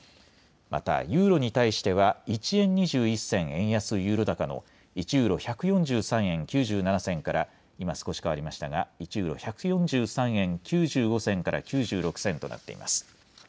またユーロに対しては１円２１銭円安ユーロ高の１ユーロ１４３円９７銭から今少し変わりましたが１ユーロ１４３円９５銭から９６銭となっています。